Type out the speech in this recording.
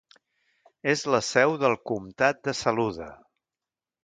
És la seu del comtat de Saluda.